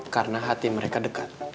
karena hati mereka dekat